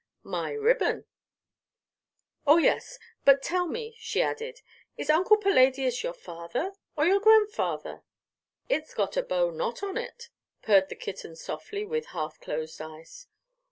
"My ribbon." "Oh, yes. But tell me," she added "is Uncle Palladius your father, or your grandfather?" "It's got a bow knot on it," purred the kitten softly, with half closed eyes.